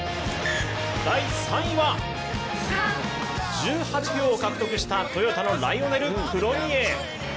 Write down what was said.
第３位は１８秒を獲得したトヨタのライオネル・クロニエ。